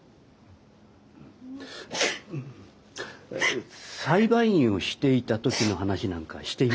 裁判員をしていた時の話なんかしていましたか？